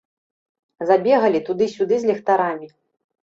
Забегалі туды-сюды з ліхтарамі.